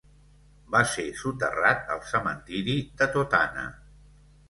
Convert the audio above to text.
Va ser soterrat al cementeri de Totana.